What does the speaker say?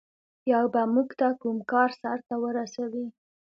یا به موږ ته کوم کار سرته ورسوي.